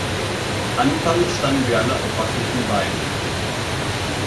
Anfangs standen wir alle auf wackligen Beinen.